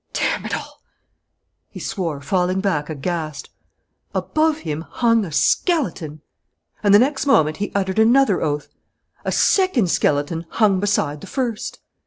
"Damn it all!" he swore, falling back aghast. Above him hung a skeleton! And the next moment he uttered another oath. A second skeleton hung beside the first!